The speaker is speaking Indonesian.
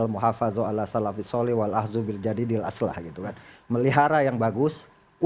melihara yang bagus